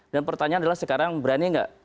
dan pertanyaan adalah sekarang berani nggak